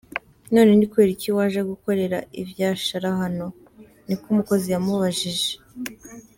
"None ni kubera iki waje gukorera ivyashara hano?" niko umukozi yamubajije.